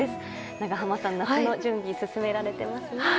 長濱さん、夏の準備が進められていますね。